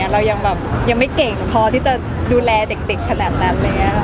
เรายังไม่เก่งพอที่จะดูแลเด็กขนาดนั้น